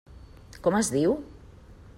Com es diu?